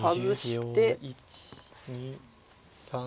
１２３。